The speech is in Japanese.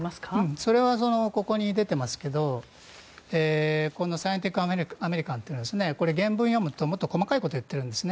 それはここに出ていますがこの「サイエンティフィック・アメリカン」というのは原文を読むともっと細かいことを言っているんですね。